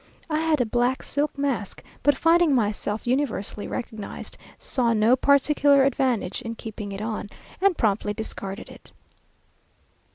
I had a black silk mask, but finding myself universally recognized, saw no particular advantage in keeping it on, and promptly discarded it.